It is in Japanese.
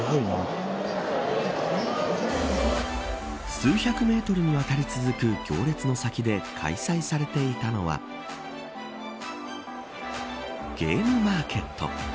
数百メートルにわたり続く行列の先で開催されていたのはゲームマーケット。